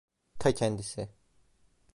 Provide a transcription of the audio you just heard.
Ta kendisi.